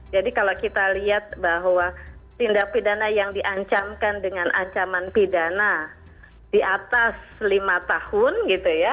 jadi kalau kita lihat bahwa tindak pidana yang diancamkan dengan ancaman pidana di atas lima tahun gitu ya